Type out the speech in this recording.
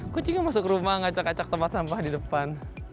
kucingnya masuk rumah ngacak ngacak tempat sampah di depan